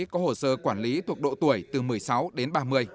có hồ sơ quản lý thuộc độ tuổi từ một mươi sáu đến ba mươi